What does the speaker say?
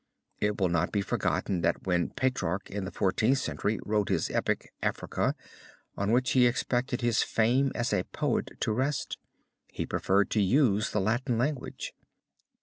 It will not be forgotten that when Petrarch in the Fourteenth Century wrote his epic, Africa, on which he expected his fame as a poet to rest, he preferred to use the Latin language.